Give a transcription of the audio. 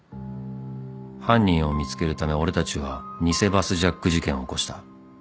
［犯人を見つけるため俺たちは偽バスジャック事件を起こした］